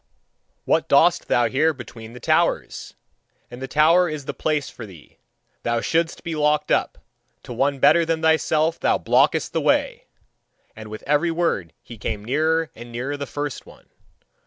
What dost thou here between the towers? In the tower is the place for thee, thou shouldst be locked up; to one better than thyself thou blockest the way!" And with every word he came nearer and nearer the first one.